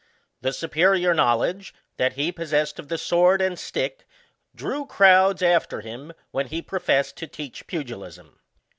The superior knowledge that he possessed of the sword and stick drew crowds after him when he professed to teach pugilism.